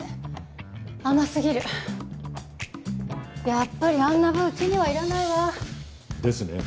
やっぱりあんな部うちにはいらないわ。ですね。